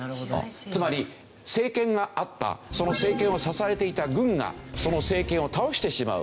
つまり政権があったその政権を支えていた軍がその政権を倒してしまう。